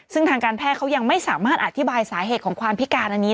ซึ่งทางการแพทย์เขายังไม่สามารถอธิบายสาเหตุของความพิการอันนี้